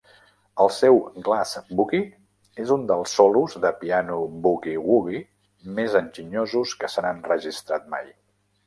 El seu Glass Boogie és un dels solos de piano boogie-woogie més enginyosos que s'han enregistrat mai.